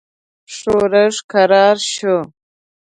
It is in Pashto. ښورښ کرار شو.